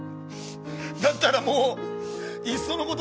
だったらもう、いっそのこと